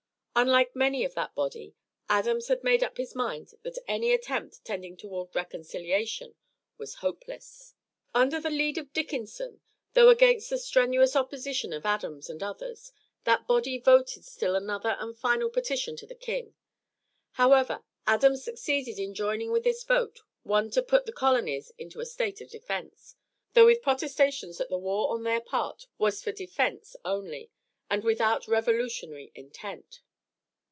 Unlike many of that body, Adams had made up his mind that any attempt tending toward reconciliation was hopeless. Under the lead of Dickinson, though against the strenuous opposition of Adams and others, that body voted still another and final petition to the king. However, Adams succeeded in joining with this vote one to put the colonies into a state of defence, though with protestations that the war on their part was for defence only, and without revolutionary intent.